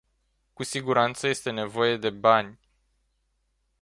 Cu siguranță este nevoie de bani.